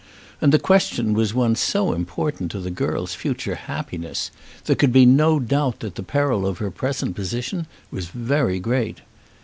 And the question was one so important to the girl's future happiness! There could be no doubt that the peril of her present position was very great.